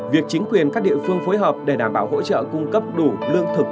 việc chính quyền các địa phương phối hợp để đảm bảo hỗ trợ cung cấp đủ lương thực